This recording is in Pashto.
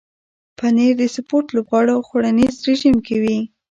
پنېر د سپورت لوبغاړو خوړنیز رژیم کې وي.